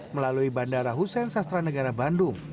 melalui bandara hussein sastra negara bandung